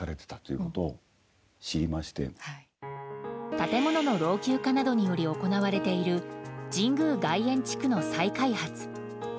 建物の老朽化などにより行われている神宮外苑地区の再開発。